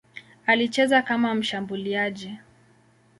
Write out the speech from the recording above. Alicheza kama mshambuliaji.